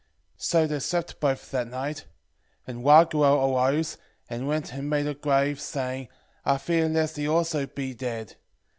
8:9 So they slept both that night. And Raguel arose, and went and made a grave, 8:10 Saying, I fear lest he also be dead.